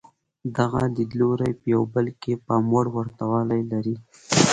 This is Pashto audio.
دغه لیدلوري په یو بل کې پام وړ ورته والی لري.